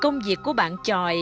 công việc của bạn tròi